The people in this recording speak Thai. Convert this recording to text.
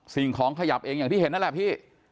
สิ่งของขยับเองอย่างที่เห็นนั่นแหละพี่